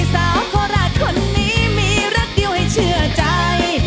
สาวโคราชคนนี้มีรักเดียวให้เชื่อใจ